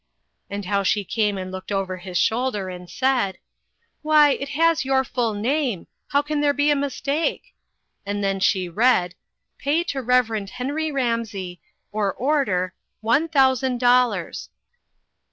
And how she came and looked over his shoulder, and said: " Why, it has your full name. How can there be a mistake?" And then she read, "Pay to Rev. Henry Ramsey, or order, one thousand dollars.